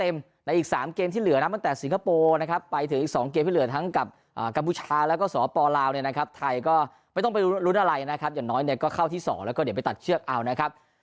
ไม่ต้องไปลุ้นอะไรนะครับอย่างน้อยก็เข้าที่๒แล้วก็เดี่ยวไปตัดเชือกเอานะครับ